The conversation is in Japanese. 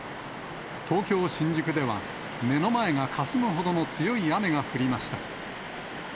東京・新宿では、目の前がかすむほどの強い雨が降りました。